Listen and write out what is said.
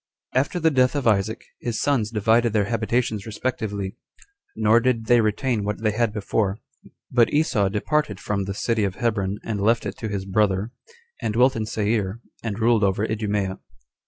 1. After the death of Isaac, his sons divided their habitations respectively; nor did they retain what they had before; but Esau departed from the city of Hebron, and left it to his brother, and dwelt in Seir, and ruled over Idumea.